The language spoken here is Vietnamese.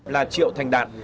là triệu thành đạt